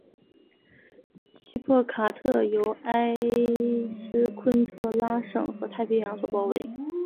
锡帕卡特由埃斯昆特拉省和太平洋所包围。